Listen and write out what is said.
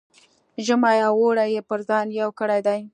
ژمی او اوړی یې پر ځان یو کړی دی.